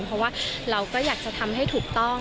เพราะว่าเราก็อยากจะทำให้ถูกต้อง